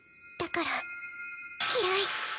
だから嫌い。